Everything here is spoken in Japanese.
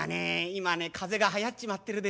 今ね風邪がはやっちまってるでしょ？